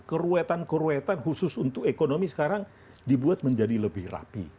keruetan keruetan khusus untuk ekonomi sekarang dibuat menjadi lebih rapi